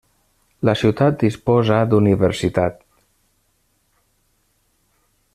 La ciutat disposa d'universitat.